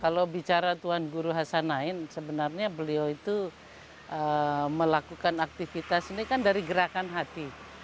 kalau bicara tuan guru hasan nain sebenarnya beliau itu melakukan aktivitas ini kan dari gerakan hati